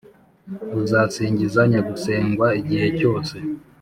buzasingiza nyagusengwa igihe cyose